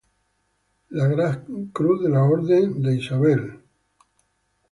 La Gran Cruz de la Orden de Isabel La Católica.